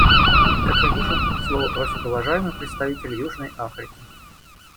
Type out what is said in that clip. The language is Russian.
Как я вижу, слова просит уважаемый представитель Южной Африки.